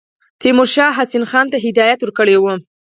تیمورشاه حسین خان ته هدایت ورکړی وو.